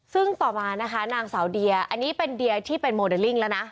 ซึ่งต่อมานะคะนางสาวเดียอันนี้เป็นเดียที่เป็นโมเดลลิ่งแล้วนะ